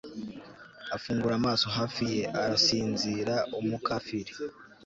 afungura amaso hafi ye; arasinzira, umukafiri